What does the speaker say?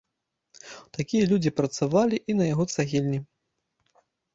Такія людзі працавалі і на яго цагельні.